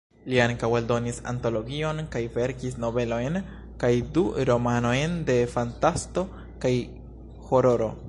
Li ankaŭ eldonis antologion kaj verkis novelojn kaj du romanojn de fantasto kaj hororo.